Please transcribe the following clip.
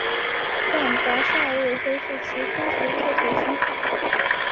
但噶厦未恢复其呼图克图封号。